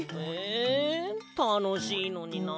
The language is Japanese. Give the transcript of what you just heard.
えたのしいのにな。